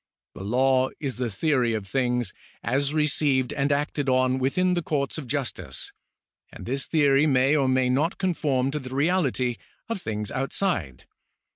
The law is the theory of things, as received and acted on within the courts of justice, and this theory may or may not conform to the reality of things outside.